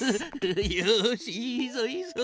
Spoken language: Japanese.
よしいいぞいいぞ。